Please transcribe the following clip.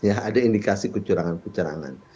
ada indikasi kecurangan kecurangan